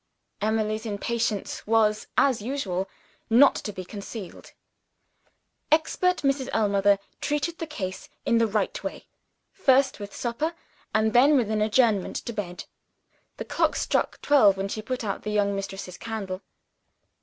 Emily's impatience was, as usual, not to be concealed. Expert Mrs. Ellmother treated the case in the right way first with supper, and then with an adjournment to bed. The clock struck twelve, when she put out the young mistress's candle.